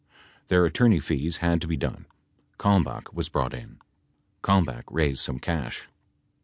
Their attorney fees had to be done. Kalmbach was brought in. Kalmbach raised some cash.